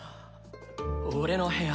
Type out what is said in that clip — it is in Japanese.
俺の部屋。